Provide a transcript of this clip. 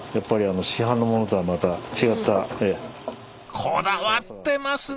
こだわってますね！